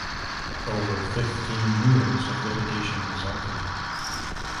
Over fifteen years of litigation resulted.